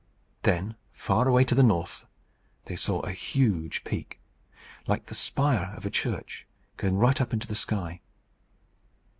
Then, far away to the north, they saw a huge peak, like the spire of a church, going right up into the sky.